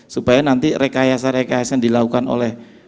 supaya nanti rekayasa rekayasa yang dilakukan oleh